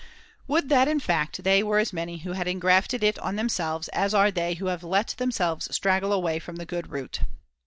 Would that, in fact, they were as many who had engrafted it on them selves, as are they who have let themselves straggle away from the good root